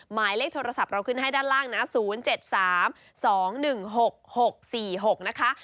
หมายเลขโทรศัพท์เราขึ้นให้ด้านล่างนะ๐๗๓๒๑๖๖๔๖นะคะ